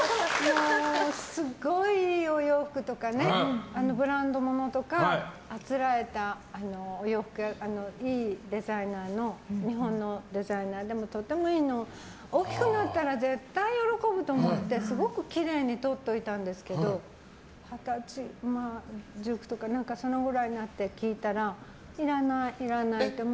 すごい、お洋服とかブランドものとかあつらえたお洋服いいデザイナーの日本のデザイナーでとてもいいの大きくなったら絶対喜ぶと思ってすごくきれいにとっといたんですけど１９とかそのくらいになって聞いたらいらない、いらないって。